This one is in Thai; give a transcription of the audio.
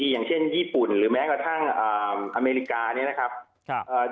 อย่างเช่นญี่ปุ่นหรือแม้กระทั่งอเมริกาเนี่ยนะครับ